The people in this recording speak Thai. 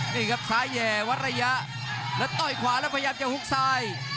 นี่ครับซ้ายแห่วัดระยะแล้วต้อยขวาแล้วพยายามจะหุกซ้าย